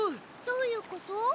どういうこと？